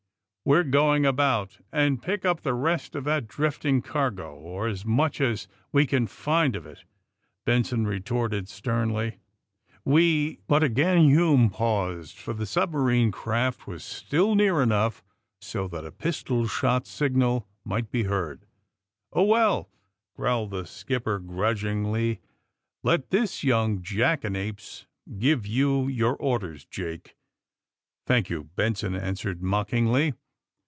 "We're going about, and pick up the rest of that drifting cargo, or as much as we can find of it," Benson retorted sternly. «<We " AND THE SMUGGLEES 233 But again Hume paused, for the submarine craft was still near enougli so that a pistol shot signal might be heard. ^*0h, well/' growled the skipper grudgingly, '^let this young jackanapes give you your or ders, Jake.'' '' Thank you, '' Benson answered mockingly.